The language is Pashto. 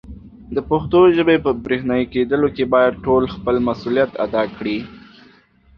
د پښتو ژبې په برښنایې کېدلو کې باید ټول خپل مسولیت ادا کړي.